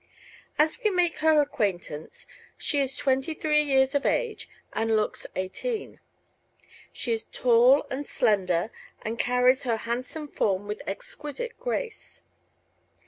As we make her acquaintance she is twenty three years of age and looks eighteen. She is tall and slender and carries her handsome form with exquisite grace.